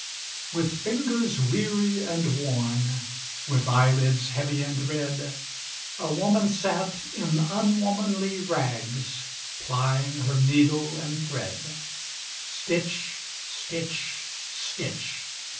With fingers weary and worn, With eyelids heavy and red, A woman sat, in unwomanly rags, Plying her needle and thread Stitch! stitch! stitch!